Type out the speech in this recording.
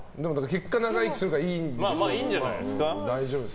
結果長生きするから大丈夫です。